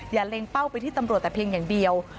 เล็งเป้าไปที่ตำรวจแต่เพียงอย่างเดียว